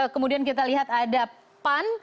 kemudian kita lihat ada pan